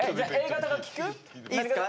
いいですか？